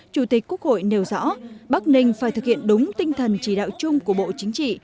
chủ tịch quốc hội nêu rõ bắc ninh phải thực hiện đúng tinh thần chỉ đạo chung của bộ chính trị